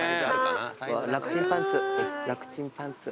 楽ちんパンツ楽ちんパンツ。